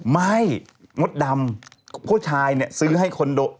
มดดำผู้ชายเนี่ยซื้อให้คอนโด